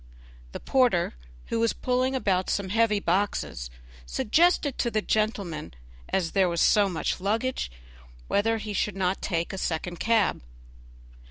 The porter, who was pulling about some heavy boxes, suggested to the gentleman, as there was so much luggage, whether he would not take a second cab.